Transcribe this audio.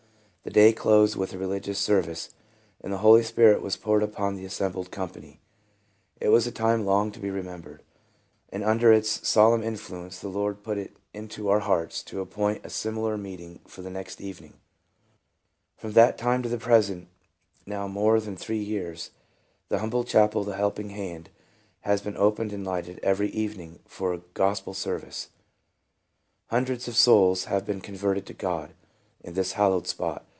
The day closed with a religious service, and the Holy Spirit was poured upon the as sembled company. It was a time long to be remembered; and under its solemn influence the Lord put it into our hearts to appoint a similar meeting for the next evening. From that time to the present, now more than three years, the humble chapel of the Helping Hand has been opened and lighted every evening for a gospel service. Hundreds of souls have PRESENT SAL VA TION. 7 7 been converted to God in this hallowed spot.